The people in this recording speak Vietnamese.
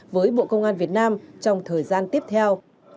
với bộ công an việt nam trong thời gian tiếp theo